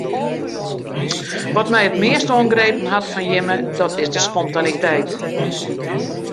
Wat my it meast oangrepen hat fan jimme dat is de spontaniteit.